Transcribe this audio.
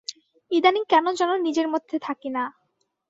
ইদানীং কেন যেন নিজের মধ্যে থাকি না।